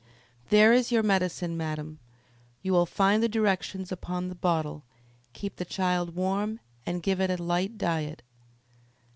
"There is your medicine, madam. You will find the directions upon the bottle. Keep the child warm and give it a light diet."